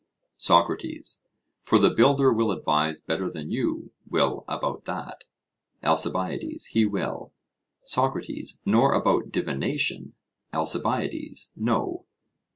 SOCRATES: For the builder will advise better than you will about that? ALCIBIADES: He will. SOCRATES: Nor about divination? ALCIBIADES: No.